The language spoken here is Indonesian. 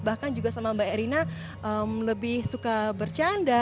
bahkan juga sama mbak erina lebih suka bercanda